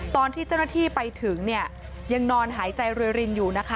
ตอนที่เจ้าหน้าที่ไปถึงเนี่ยยังนอนหายใจรวยรินอยู่นะคะ